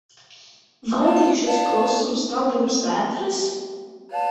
Vai tik šis klusums nav pirms vētras?